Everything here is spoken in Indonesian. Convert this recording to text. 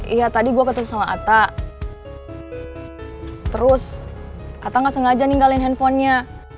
iya tadi gue ketemu sama atta terus atta gak sengaja ninggalin handphonenya